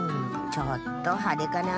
ちょっとはでかな。